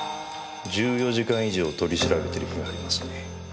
１４時間以上取り調べてる日がありますね。